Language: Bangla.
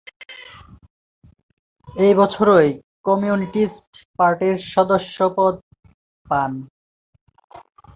ওই বছরই কমিউনিস্ট পার্টির সদস্যপদ পান।